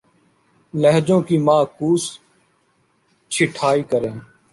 لہجوں کی معکوس چھٹائی کریں